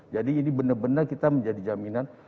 jadi ini benar benar kita menjadi jaminan